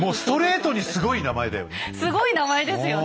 すごい名前ですよね。